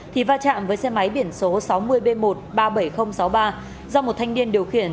thì va chạm với xe máy biển số sáu mươi b một trăm ba mươi bảy nghìn sáu mươi ba do một thanh niên điều khiển